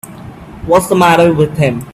What's the matter with him.